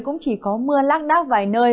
cũng chỉ có mưa lắc đắp vài nơi